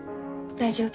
大丈夫。